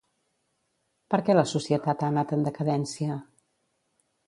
Per què la societat ha anat en decadència?